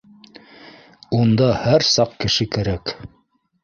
Унда һәр саҡ кеше кәрәк